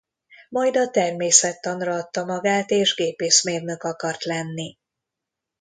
Majd a természettanra adta magát és gépészmérnök akart lenni.